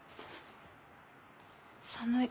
寒い。